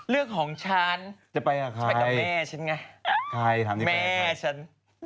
เรื่องของฉันจะไปกับแม่ฉันไงแม่ฉัน